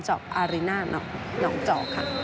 โอ้โอ้โอ้